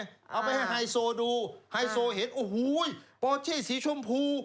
เอาไปให้ไฮโซดูไฮโซเห็นโอ้โหปอเช่สีชมพู